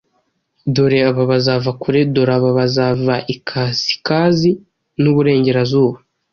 Dore aba bazava kure ; dore aba bazava i Kasikazi n’uburengerazuba,